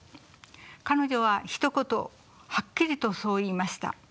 彼女はひと言はっきりとそう言いました。